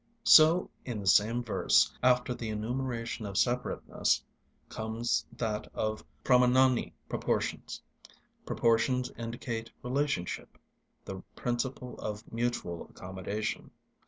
So in the same verse, after the enumeration of separateness comes that of Pramānāni—proportions. Proportions indicate relationship, the principle of mutual accommodation.